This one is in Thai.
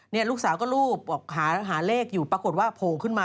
นี่ลูกสาวก็รูปออกหาเลขอยู่ปรากฏว่าโผล่ขึ้นมา